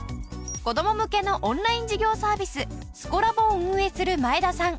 子ども向けのオンライン授業サービススコラボを運営する前田さん。